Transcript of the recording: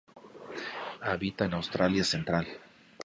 Habita en Australia Central.